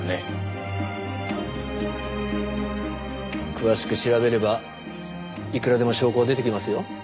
詳しく調べればいくらでも証拠は出てきますよ。